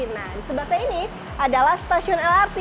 nah disebabkan ini adalah stasiun lrt